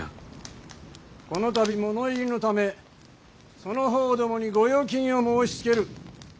この度物入りのためその方どもに御用金を申しつける。